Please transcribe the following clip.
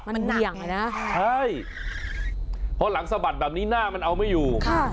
มันเหลี่ยงเลยนะเฮ้ยเพราะหลังสะบัดแบบนี้หน้ามันเอาไม่อยู่